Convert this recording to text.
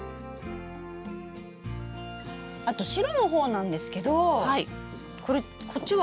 あと白の方なんですけどこれこっちは？